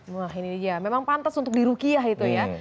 wah ini dia memang pantas untuk dirukiah itu ya